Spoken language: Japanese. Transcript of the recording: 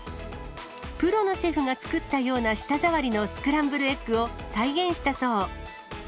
プロのシェフが作ったような舌触りのスクランブルエッグを再現したそう。